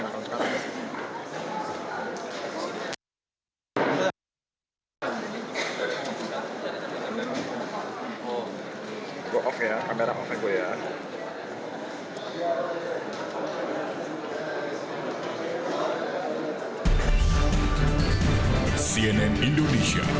tidak babakku harus tetap dapat dirapikan di sini tapi